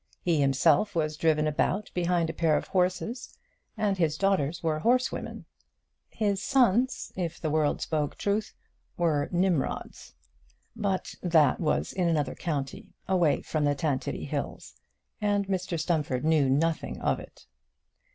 He himself was driven about behind a pair of horses, and his daughters were horsewomen. His sons, if the world spoke truth, were Nimrods; but that was in another county, away from the Tantivy hills, and Mr Stumfold knew nothing of it.